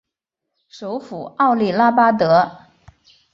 首府贾利拉巴德。